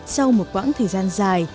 sau một quãng thời gian dài